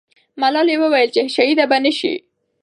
ملالۍ وویل چې شهیده به نه سي.